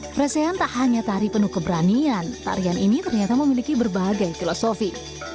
presehan tak hanya tari penuh keberanian tarian ini ternyata memiliki berbagai filosofi